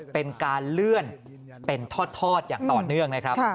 เป็นการเลื่อนเป็นทอดอย่างต่อเนื่องนะครับ